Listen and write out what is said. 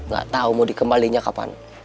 gak tau mau dikembalinya kapan